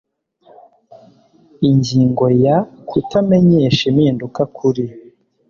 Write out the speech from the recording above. Ingingo ya Kutamenyesha impinduka kuri